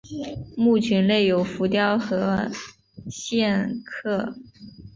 墓群内有浮雕和线刻。